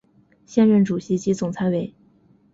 现任主席及总裁为。